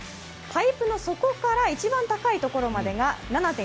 パイプの底から一番高いところまでが７．１ｍ。